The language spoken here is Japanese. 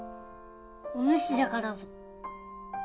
おぬしだからぞ。